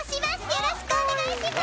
よろしくお願いします！